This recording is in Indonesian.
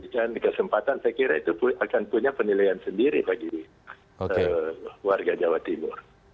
karena tempatan saya kira itu akan punya penilaian sendiri bagi warga jawa timur